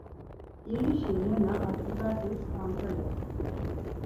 İrişi nena, artikartis ant̆alet̆u.